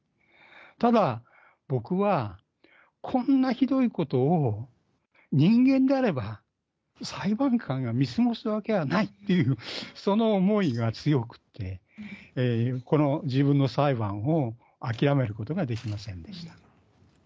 ただ、僕はこんなひどいことを人間であれば、裁判官が見過ごすわけはないっていうその思いが強くて、この自分の裁判を諦めることができませんでした。